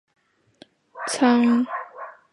沧源近溪蟹为溪蟹科近溪蟹属的动物。